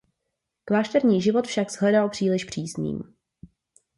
Klášterní život však shledal příliš přísným.